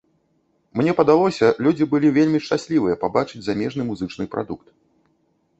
Мне падалося, людзі былі вельмі шчаслівыя пабачыць замежны музычны прадукт.